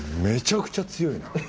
めちゃくちゃ強いな。